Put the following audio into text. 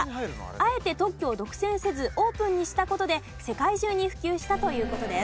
あえて特許を独占せずオープンにした事で世界中に普及したという事です。